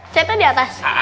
chat nya di atas